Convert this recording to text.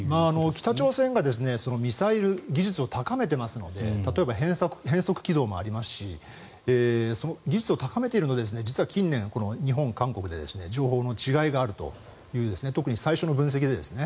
北朝鮮がミサイル技術を高めていますので例えば変則軌道もありますし技術を高めていると近年、日本、韓国で情報の違いがあるという特に最初の分析でですね。